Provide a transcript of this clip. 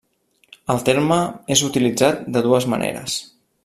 El terme és utilitzat de dues maneres.